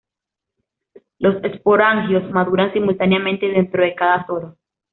Los esporangios maduran simultáneamente dentro de cada soro.